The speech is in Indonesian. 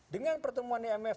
dengan pertemuan imf